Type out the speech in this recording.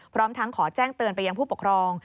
พร้อมทั้งขอแจ้งเตือนไปยังผู้ปกครอง